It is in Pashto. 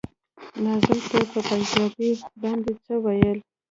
ناظم ته يې په پنجابي باندې څه ويل.